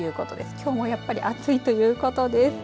きょうもやっぱり暑いということです。